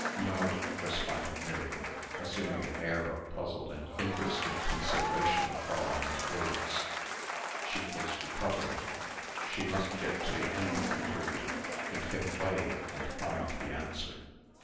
"No " responded Miriam, assuming an air of puzzled and interested consideration of Fräulein's words. She was recovering. She must get to the end of the interview and get away and find the answer.